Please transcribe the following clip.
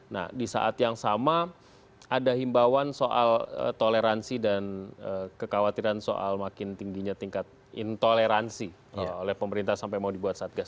nah di saat yang sama ada himbauan soal toleransi dan kekhawatiran soal makin tingginya tingkat intoleransi oleh pemerintah sampai mau dibuat satgas